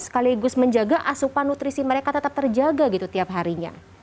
sekaligus menjaga asupan nutrisi mereka tetap terjaga gitu tiap harinya